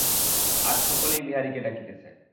আজ সকলেই বিহারীকে ডাকিতেছে।